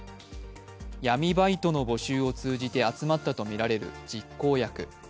闇バイトの募集を通じて集まったとみられる実行役。